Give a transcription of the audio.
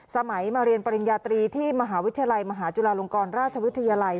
มาเรียนปริญญาตรีที่มหาวิทยาลัยมหาจุฬาลงกรราชวิทยาลัย